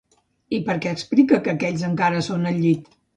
I per què explica que aquells encara són al llit?